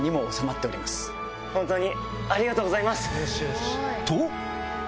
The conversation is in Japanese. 本当にありがとうございます！と！